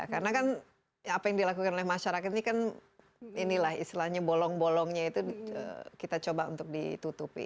karena kan apa yang dilakukan oleh masyarakat ini kan inilah istilahnya bolong bolongnya itu kita coba untuk ditutupi